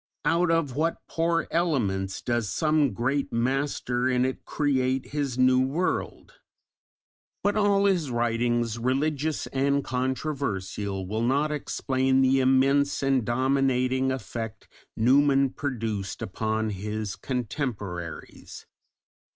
Out of what poor elements does some great master in it create his new world! But all his writings, religious and controversial, will not explain the immense and dominating effect Newman produced upon his contemporaries.